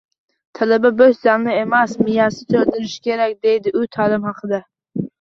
Talaba bo‘sh zalni emas, miyasini to‘ldirishi kerak”, – deydi u ta'lim haqida.